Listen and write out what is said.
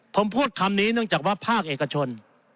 ผมพูดคำนี้เนื่องจากว่าภาคเอกชน